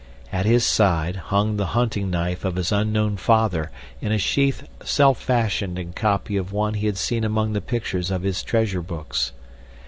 At his side hung the hunting knife of his unknown father in a sheath self fashioned in copy of one he had seen among the pictures of his treasure books.